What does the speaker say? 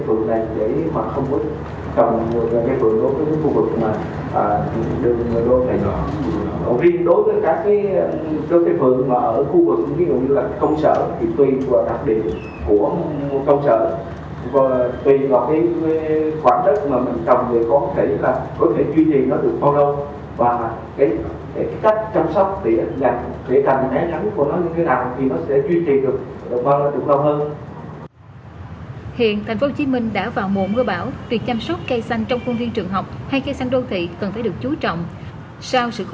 tùy vào cái quản đất mà mình trồng thì có thể là có thể truy tìm nó được bao lâu